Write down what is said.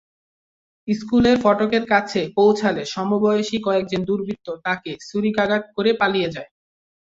স্কুলের ফটকের কাছে পৌঁছালে সমবয়সী কয়েকজন দুর্বৃত্ত তাকে ছুরিকাঘাত করে পালিয়ে যায়।